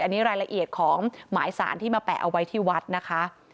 อันนี้รายละเอียดของหมายสารที่มาแปะเอาไว้ที่วัดนะคะ